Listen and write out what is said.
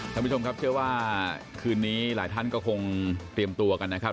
ท่านผู้ชมครับเชื่อว่าคืนนี้หลายท่านก็คงเตรียมตัวกันนะครับ